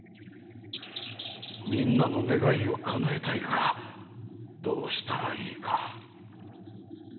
みんなのねがいをかなえたいがどうしたらいいか。